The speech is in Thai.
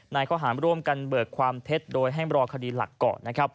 ข้อหารร่วมกันเบิกความเท็จโดยให้รอคดีหลักก่อน